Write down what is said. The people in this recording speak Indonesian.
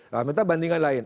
nah minta bandingan lain